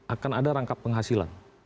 akan ada rangkap penghasilan